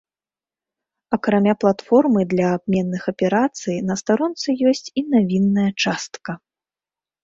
Акрамя платформы для абменных аперацый, на старонцы ёсць і навінная частка.